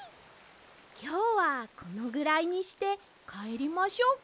きょうはこのぐらいにしてかえりましょうか。